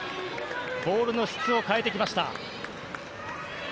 ボールの質を変えてきました。